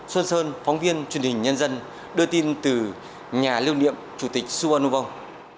xuân sơn phóng viên truyền hình nhân dân đưa tin từ nhà lưu niệm chủ tịch su van nu vong